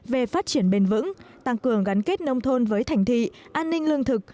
về phát triển bền vững tăng cường gắn kết nông thôn với thành thị an ninh lương thực